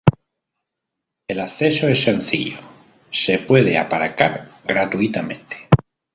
El acceso es sencillo, se puede aparcar gratuitamente.